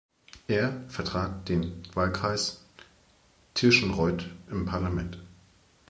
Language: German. Er vertrat den Wahlkreis Tirschenreuth im Parlament.